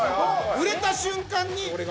触れた瞬間に。